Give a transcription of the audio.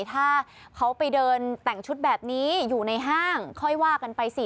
ถ้าเขาไปเดินแต่งชุดแบบนี้อยู่ในห้างค่อยว่ากันไปสิ